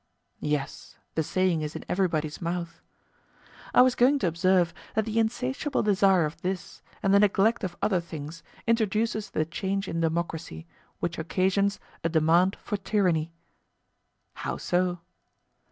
Yes; the saying is in every body's mouth. I was going to observe, that the insatiable desire of this and the neglect of other things introduces the change in democracy, which occasions a demand for tyranny. How so?